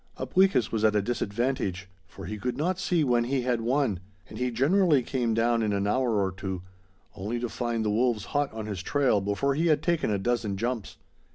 Upweekis was at a disadvantage, for he could not see when he had won; and he generally came down in an hour or two, only to find the wolves hot on his trail before he had taken a dozen jumps.